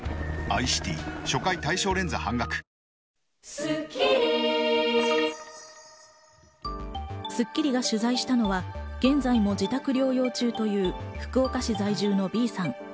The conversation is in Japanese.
『スッキリ』が取材したのは現在も自宅療養中という福岡市在住のＢさん。